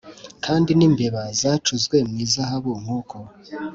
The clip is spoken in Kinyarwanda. Kandi n imbeba zacuzwe mu izahabu nk uko